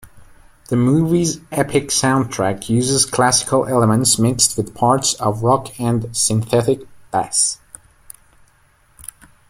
The movie's epic soundtrack uses classical elements mixed with parts of rock and synthetic bass.